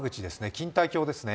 錦帯橋ですね。